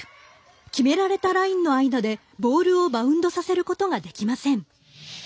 決められたラインの間でボールをバウンドさせることができません。